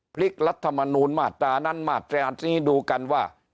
รัฐมนูลมาตรานั้นมาตรานี้ดูกันว่า